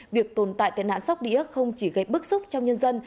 việc tồn tại tệ nạn sóc đĩa không chỉ gây bức xúc trong nhân dân